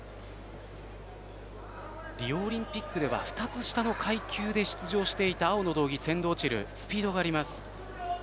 リオオリンピックでは２つ下の階級で出場していた青の道着のツェンドオチルはスピードがあります。